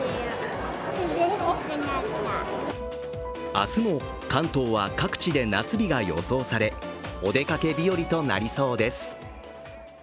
明日も関東は各地で夏日が予想されお出かけ日和となりそうです。